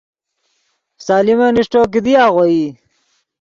سلیمن اݰٹو، کیدی آغوئی